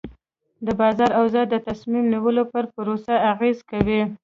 د بازار اوضاع د تصمیم نیولو پر پروسه اغېز کوي.